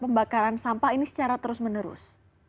pembakaran sampah ini secara terus menerus